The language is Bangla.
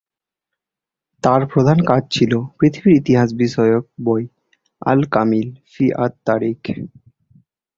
তার প্রধান কাজ ছিল পৃথিবীর ইতিহাস বিষয়ক বই "আল কামিল ফি আত তারিখ"।